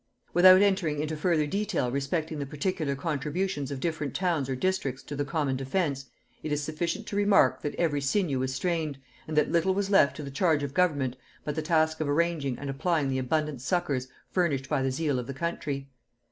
Without entering into further detail respecting the particular contributions of different towns or districts to the common defence, it is sufficient to remark, that every sinew was strained, and that little was left to the charge of government but the task of arranging and applying the abundant succours furnished by the zeal of the country.